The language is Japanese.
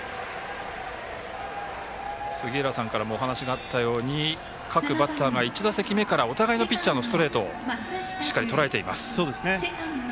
杉浦さんからもお話があったように各バッターが１打席目からお互いのピッチャーのストレートをしっかりとらえています。